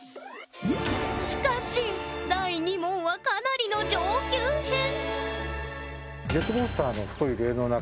しかし第２問はかなりの上級編！